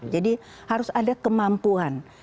jadi harus ada kemampuan